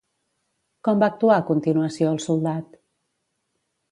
Com va actuar a continuació el soldat?